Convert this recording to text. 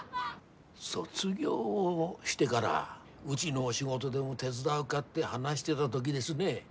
卒業をしてからうぢの仕事でも手伝うがって話してだ時ですね